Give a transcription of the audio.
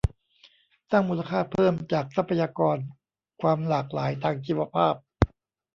สร้างมูลค่าเพิ่มจากทรัพยากรความหลากหลายทางชีวภาพ